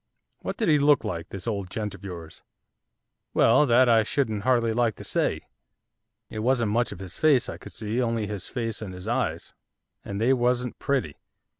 'What did he look like, this old gent of yours?' 'Well, that I shouldn't hardly like to say. It wasn't much of his face I could see, only his face and his eyes, and they wasn't pretty.